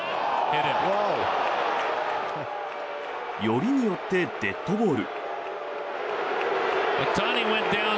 よりによってデッドボール。